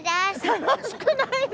楽しくないの？